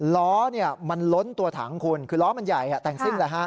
ล้อมันล้นตัวถังคุณคือล้อมันใหญ่แต่งซิ่งแล้วฮะ